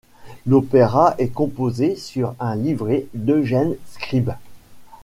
L'opéra est composé sur un livret d'Eugène Scribe.